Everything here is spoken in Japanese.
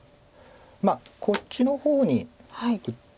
こっちの方に打って。